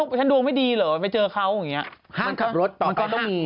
วันนี้ฉันดวงไม่ดีเหรอไปเจอเขาเงี่ย